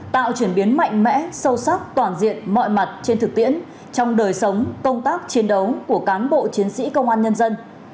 tạo chuyển biến mạnh mẽ sâu sắc toàn diện mọi mặt trên thực tiễn trong đời sống công tác chiến đấu của cán bộ chiến sĩ công an nhân dân